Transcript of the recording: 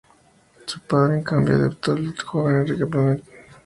Su padre, en cambio aceptó el trono al joven Enrique Plantagenet.